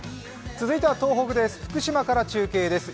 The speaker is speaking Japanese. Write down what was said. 続いては東北です。